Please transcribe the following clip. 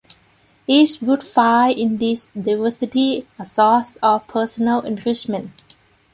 Each would find in this diversity a source of personal enrichmen.